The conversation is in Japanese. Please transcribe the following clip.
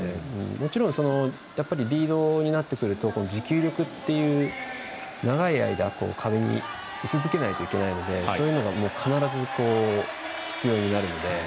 もちろん、やっぱりリードになってくると持久力っていう長い間壁に、い続けないといけないのでそういうのが必ず必要になるので。